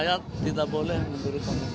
ya saya tidak boleh menurut komentarnya